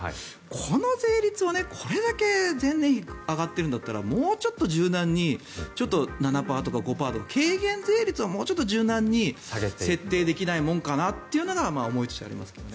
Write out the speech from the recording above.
この税率をこれだけ前年比上がってるんだったらもうちょっと柔軟に７％とか５％とか軽減税率をもうちょっと柔軟に設定できないものかなというのが思いとしてありますね。